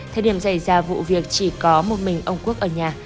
thời điểm xảy ra vụ việc chỉ có một mình ông quốc ở nhà